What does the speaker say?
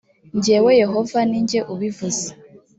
jyewe yehova ni jye ubivuze